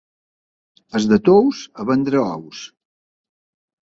Els de Tous, a vendre ous.